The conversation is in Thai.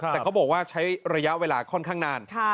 แต่เขาบอกว่าใช้ระยะเวลาค่อนข้างนาน